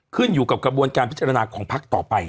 ขึ้นอยู่กับกระบวนการพิจารณาของพักต่อไป